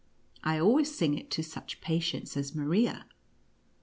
I always sing it to suck patients as Maria."